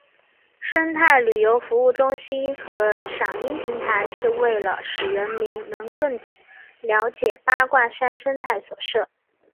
生态旅游服务中心和赏鹰平台是为了使民众能更解八卦山生态所设。